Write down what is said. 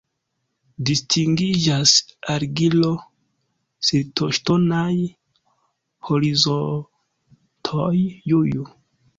Distingiĝas argilo-siltoŝtonaj horizontoj Ju-Ju.